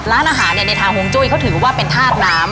อาหารในทางฮงจุ้ยเขาถือว่าเป็นทาสน้ำ